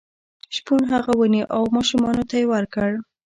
شپون هغه ونیو او ماشومانو ته یې ورکړ.